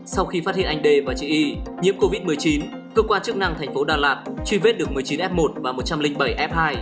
sau khi phát hiện anh đê và chị y nhiễm covid một mươi chín cơ quan chức năng thành phố đà lạt truy vết được một mươi chín f một và một trăm linh bảy f hai